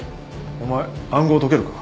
お前暗号解けるか？